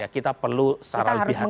kita perlu secara lebih hati hati